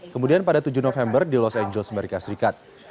kemudian pada tujuh november di los angeles amerika serikat